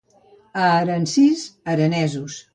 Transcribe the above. A Aransís, aranesos.